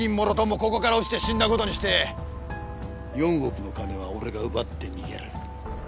ここから落ちて死んだ事にして４億の金は俺が奪って逃げる。